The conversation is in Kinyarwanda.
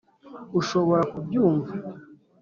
ushobora kubyumva?